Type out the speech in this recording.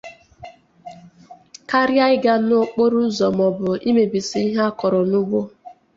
karịa ịga n'okporoụzọ maọbụ imebisi ihe a kọrọ n'ugbo.